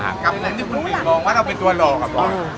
กับเรื่องที่คุณเห็นมองว่าเราเป็นตัวหล่อครับหรอ